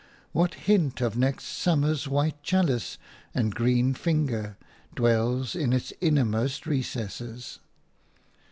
What hint of next summer's white chalice and green finger dwells in its innermost recesses?